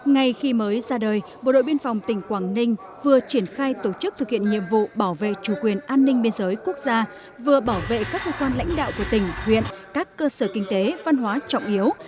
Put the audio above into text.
ngay khi mới ra đời bộ đội biên phòng tỉnh quảng ninh vừa triển khai tổ chức thực hiện nhiệm vụ bảo vệ chủ quyền an ninh biên giới quốc gia vừa bảo vệ các cơ quan lãnh đạo của tỉnh huyện các cơ sở kinh tế văn hóa trọng yếu